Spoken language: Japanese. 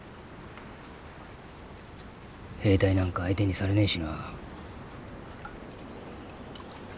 兵隊なんか相手にされねえしな。